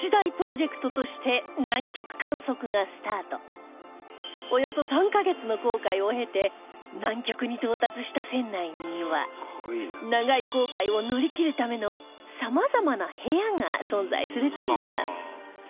今からおよそ３カ月の航海を経て南極に到達した船内には長い航海を乗り切るための様々な部屋が存在するといいます